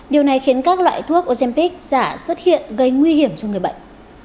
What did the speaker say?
điều này khiến các loại thuốc ojempic giả xuất hiện gây nguy hiểm cho người bệnh